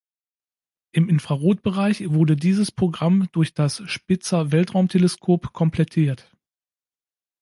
Im Infrarot-Bereich wurde dieses Programm durch das Spitzer-Weltraumteleskop komplettiert.